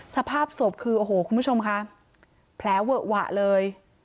สภาพศพคือโอ้โหคุณผู้ชมค่ะแผลเวอะหวะเลย